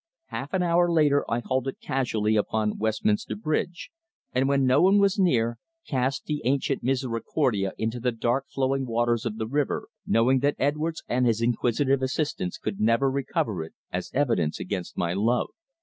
Half an hour later I halted casually upon Westminster Bridge, and when no one was near, cast the ancient "Misericordia" into the dark flowing waters of the river, knowing that Edwards and his inquisitive assistants could never recover it as evidence against my love.